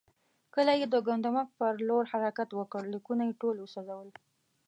کله یې د ګندمک پر لور حرکت وکړ، لیکونه یې ټول وسوځول.